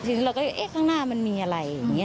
จึงเลยเรามึดใจว่าเอ๊ะก้างหน้ามันมีอะไรอย่างนี้